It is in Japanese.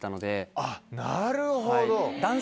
あっなるほど。